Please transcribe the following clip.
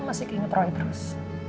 masih inget roy terus